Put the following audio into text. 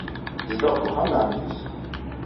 Tezdeɣ deg uxxam n ɛemmti-s.